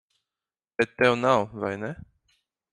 Bet tev nav, vai ne?